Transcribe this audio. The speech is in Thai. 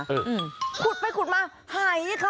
ขุดไปขุดมาหายค่ะ